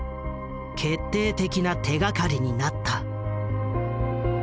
決定的な手がかりになった。